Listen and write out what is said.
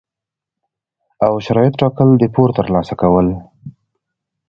او شرایط ټاکل، د پور ترلاسه کول،